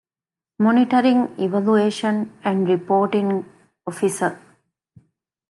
މޮނިޓަރިންގ، އިވެލުއޭޝަން އެންޑް ރިޕޯޓިންގ އޮފިސަރ